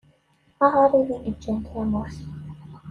Aɣrib i yeǧǧan tamurt.